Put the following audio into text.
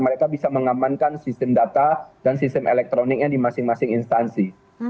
mereka bisa mengamankan sistem data dan sistem elektroniknya di masing masing instansi